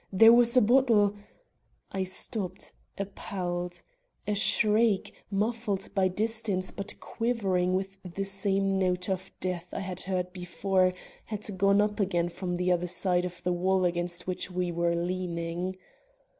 There was a bottle " I stopped, appalled. A shriek, muffled by distance but quivering with the same note of death I had heard before, had gone up again from the other side of the wall against which we were leaning.